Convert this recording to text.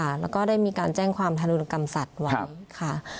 แล้วก็ได้มีการแจ้งความธนุกรรมสัตว์ไว้ค่ะ